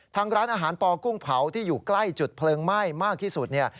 ทางร้านอาหารปอกุ้งเผาที่อยู่ใกล้จุดเพลิงไหม้มากที่สุดเนี่ย